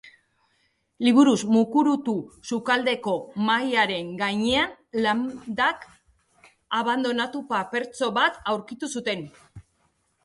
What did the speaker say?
Liburuz mukurutu sukaldeko mahaiaren gainean Lamdak abandonatu papertxo bat aurkitu zuten.